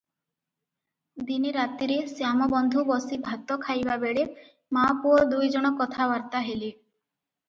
ଦିନେ ରାତିରେ ଶ୍ୟାମବନ୍ଧୁ ବସି ଭାତ ଖାଇବା ବେଳେ ମା’ ପୁଅ ଦୁଇ ଜଣ କଥାବାର୍ତ୍ତା ହେଲେ ।